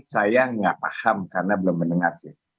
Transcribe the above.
saya nggak paham karena belum mendengar sih